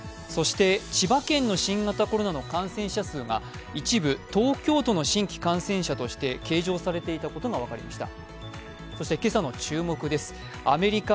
千葉県の新型コロナの感染者数が一部、東京都の新規感染者として計上されていたことが分かりました。